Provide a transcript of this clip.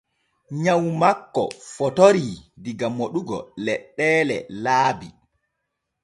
Nyaw makko fotorii diga moɗugo leɗɗeelee laabi.